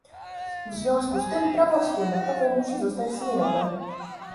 W związku z tym prawo wspólnotowe musi zostać zmienione